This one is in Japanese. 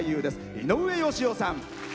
井上芳雄さん。